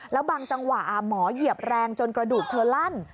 แล้วบางจังหวะหมอเหยียบแรงจนกระดูกเธอลั่น